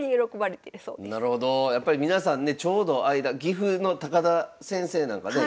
やっぱり皆さんねちょうど間岐阜の田先生なんかね